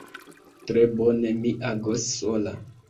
Tre bone: mi agos sola.